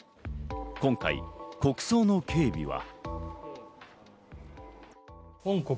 今回、国葬の警備は。